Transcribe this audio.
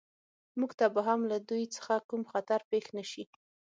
موږ ته به هم له دوی څخه کوم خطر پېښ نه شي